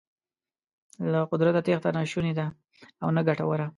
له قدرته تېښته نه شونې ده او نه ګټوره.